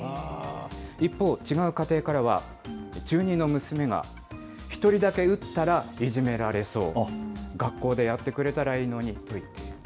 一方、違う家庭からは、中２の娘が１人だけ打ったらいじめられそう、学校でやってくれたらいいのにという声。